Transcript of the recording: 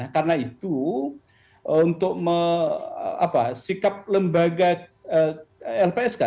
karena itu untuk sikap lembaga lpsk